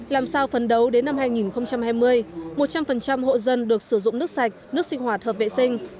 làm sao phấn đấu đến năm hai nghìn hai mươi một trăm linh hộ dân được sử dụng nước sạch nước sinh hoạt hợp vệ sinh